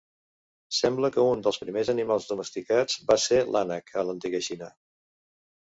Sembla que un dels primers animals domesticats va ser l'ànec, a l'antiga Xina.